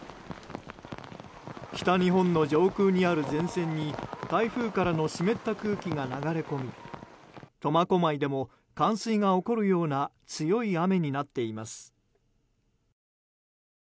北日本の上空にある前線に台風からの湿った空気が流れ込み苫小牧でも冠水が起こるような強い雨になっています。